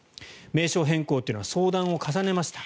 名称変更というのは相談を重ねました。